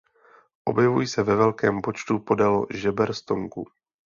Objevují se ve velkém počtu podél žeber stonku.